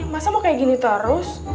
masa mau kayak gini terus